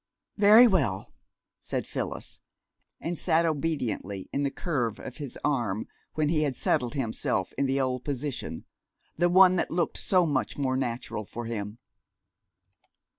"Very well," said Phyllis; and sat obediently in the curve of his arm when he had settled himself in the old position, the one that looked so much more natural for him.